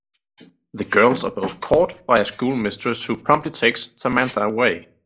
The girls are both caught by a school mistress, who promptly takes Samantha away.